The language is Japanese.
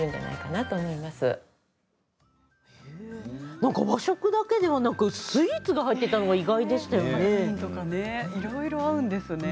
なんか和食だけではなくスイーツが入っていたのがいろいろ合うんですね。